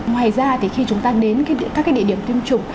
ngoài ra thì khi chúng ta đến các địa điểm tiêm chủng